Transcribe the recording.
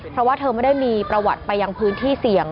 เพราะว่าเธอไม่ได้มีประวัติไปยังพื้นที่เสี่ยง